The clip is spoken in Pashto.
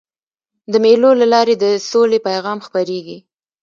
د مېلو له لاري د سولي پیغام خپرېږي.